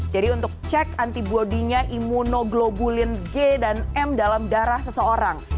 jadi untuk cek antibody nya imunoglobulin g dan m dalam darah seseorang